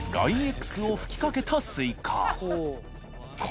稗裡−Ｘを吹きかけたスイカ磴